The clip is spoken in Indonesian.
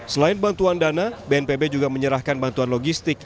selain bantuan dana bnpb juga menyerahkan bantuan logistik